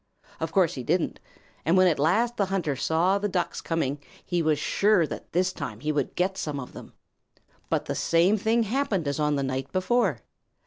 Of course he didn't, and when at last the hunter saw the Ducks coming, he was sure that this time he would get some of them. But the same thing happened as on the night before.